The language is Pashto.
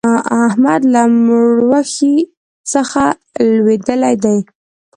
احمد له مړوښې څخه لوېدلی دی.